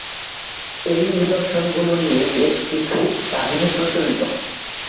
এই নিদর্শনগুলো নিয়ে বেশ কিছু কাহিনী প্রচলিত।